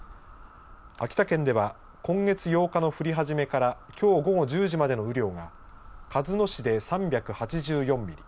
秋田県では今月８日の降り始めからきょう午後１０時までの雨量が鹿角市で３８４ミリ